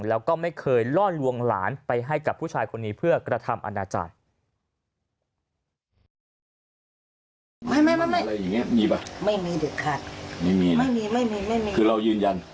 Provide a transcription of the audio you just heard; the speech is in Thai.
แล้วก็ไม่เคยล่อลวงหลานไปให้กับผู้ชายคนนี้เพื่อกระทำอนาจารย์